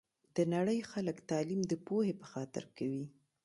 د نړۍ خلګ تعلیم د پوهي په خاطر کوي